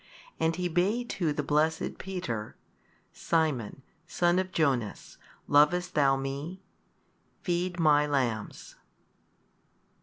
And He bade too the blessed Peter, Simon, son of Jonas, lovest thou Me? feed My lambs.